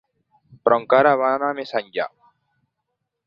Però encara va anar més enllà.